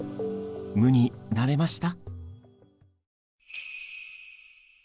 無になれました？